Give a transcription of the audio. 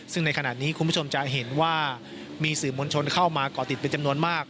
ซึ่งในขณะนี้คุณผู้ชมจะเห็นว่ามีสื่อมวลชนเข้ามาก่อติดเป็นจำนวนมาก